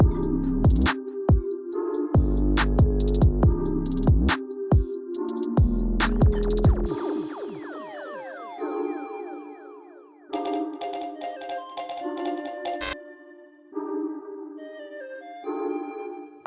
อาณุธินทร์ชาญวีรกูลมอบว่าวิทยาลัยศาสตร์